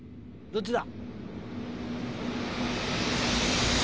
どっちだ？